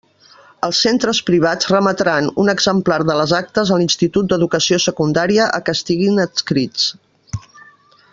Els centres privats remetran un exemplar de les actes a l'institut d'Educació Secundària a què estiguen adscrits.